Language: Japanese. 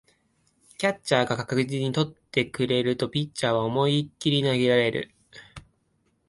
キャッチャーが確実に捕ってくれるとピッチャーは思いっきり投げられる